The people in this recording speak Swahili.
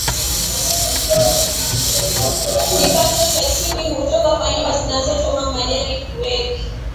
kipato cha chini hutoka kwa nyumba zinachoma majani fueli